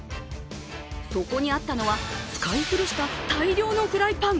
そこにあったのは使い古した大量のフライパン。